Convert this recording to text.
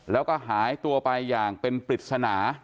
แล้วก็หายตัวไปอย่างเป็นปริศนา